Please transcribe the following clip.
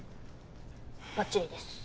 ばっちりです。